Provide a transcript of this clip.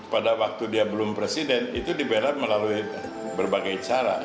pada waktu dia belum presiden itu dibela melalui berbagai cara